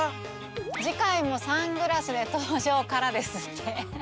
「次回もサングラスで登場から」ですって。